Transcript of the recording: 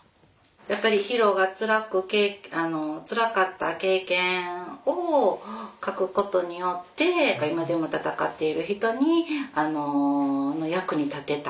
やっぱりヒロがつらくつらかった経験を書くことによって今でも闘っている人にあのの役に立てた。